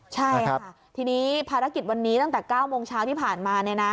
ใช่ค่ะทีนี้ภารกิจวันนี้ตั้งแต่๙โมงเช้าที่ผ่านมา